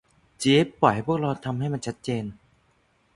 จีฟ ปล่อยให้พวกเราทำมันให้ชัดเจน